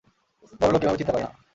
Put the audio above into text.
বড় লোক এভাবে চিন্তা করে না।